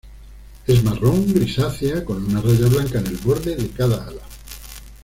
Es marrón grisácea con una raya blanca en el borde de cada ala.